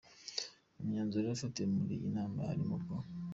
Mu myanzuro yafatiwe muri iyi nama harimo ko :